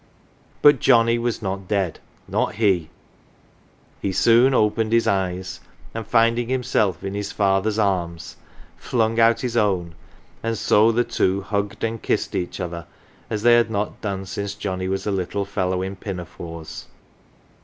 But Johnnie was not dead, not he ! He soon opened his eyes, and finding himself in his father's arms, flung out his own, and so the two hugged and kissed each other as they had not done since Johnnie was a little fellow in pinafores.